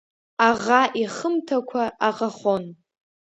Аӷа ихымҭақәа аӷахон.